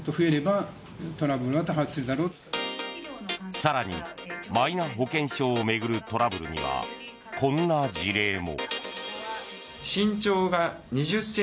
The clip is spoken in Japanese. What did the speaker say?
更にマイナ保険証を巡るトラブルには、こんな事例も。